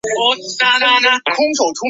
它致力于消除发展中国家的农村贫困。